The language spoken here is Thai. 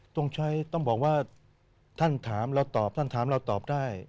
ต้องใช้ต้องบอกว่าท่านถามเราตอบท่านถามเราตอบได้